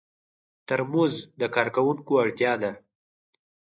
ترموز د کارکوونکو اړتیا ده.